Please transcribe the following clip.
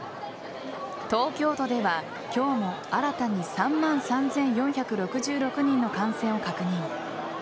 東京都では今日も新たに３万３４６６人の感染を確認。